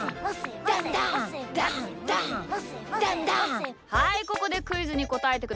はいここでクイズにこたえてください。